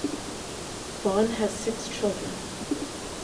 Vaughn has six children.